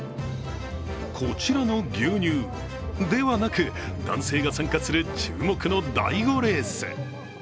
こちらの牛乳ではなく男性が参加する注目の第５レース。